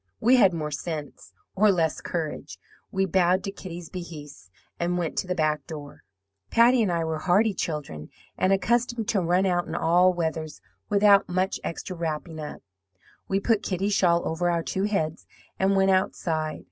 "We had more sense, or less courage. We bowed to Kitty's behests, and went to the back door. "Patty and I were hardy children, and accustomed to 'run out' in all weathers, without much extra wrapping up. We put Kitty's shawl over our two heads, and went outside.